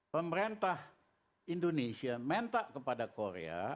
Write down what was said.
pemerintah indonesia minta kepada korea